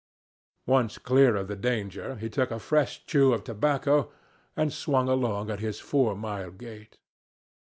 Once clear of the danger, he took a fresh chew of tobacco and swung along at his four mile gait.